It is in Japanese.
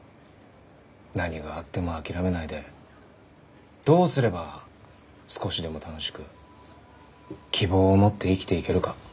何があっても諦めないでどうすれば少しでも楽しく希望を持って生きていけるか。